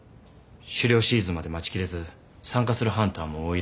狩猟シーズンまで待ちきれず参加するハンターも多いらしい。